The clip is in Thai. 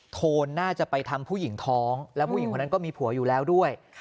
โทนน่าจะไปทำผู้หญิงท้องแล้วผู้หญิงคนนั้นก็มีผัวอยู่แล้วด้วย